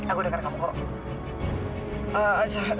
aku udah ke rekam pokok